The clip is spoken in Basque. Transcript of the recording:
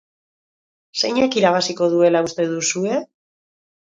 Zeinek irabaziko dutela uste duzue?